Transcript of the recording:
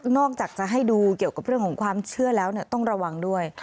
นอกจากจะให้ดูเรื่องของความเชื่อต้องระวังด้วย